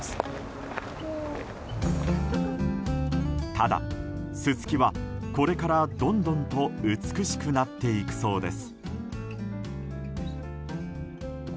ただ、ススキはこれからどんどんと美しくなっていくそうです。